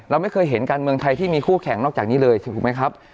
เราไม่เคยเห็นการเมืองไทยที่มีคู่แข่งนอกจากนี้เลยถูกไหมครับ